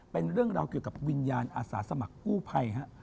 เป็นเรื่องราวเกี่ยวกับวิญญาณอาสาสมัครกู้ภัยฮะ